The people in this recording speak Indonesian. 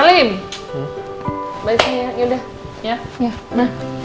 nah eh ini gak salah